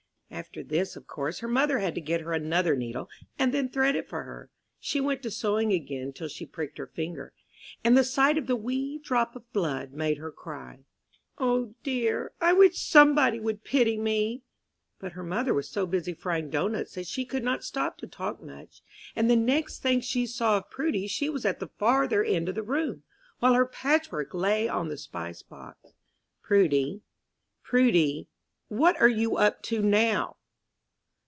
After this, of course, her mother had to get her another needle, and then thread it for her. She went to sewing again till she pricked her finger, and the sight of the wee drop of blood made her cry. "O, dear! I wish somebody would pity me!" But her mother was so busy frying doughnuts that she could not stop to talk much; and the next thing she saw of Prudy she was at the farther end of the room, while her patchwork lay on the spice box. "Prudy, Prudy, what are you up to now?"